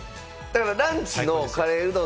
ランチのカレーうどん